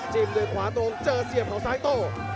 จินดึดความตรงเจอเสียบของไซโต